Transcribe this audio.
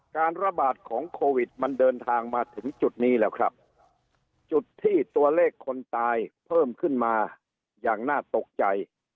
การระบาดของโควิดมันเดินทางมาถึงจุดนี้แล้วครับจุดที่ตัวเลขคนตายเพิ่มขึ้นมาอย่างน่าตกใจ